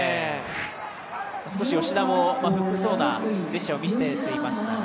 少し吉田も不服そうなジェスチャーを見せていましたが。